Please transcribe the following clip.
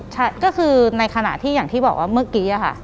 ใช่ก็คือในขณะที่อย่างที่บอกว่าเมื่อกี้ค่ะ